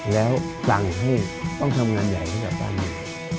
และกลับให้ต้องทำงานใหญ่ให้เป็นกลับอื่น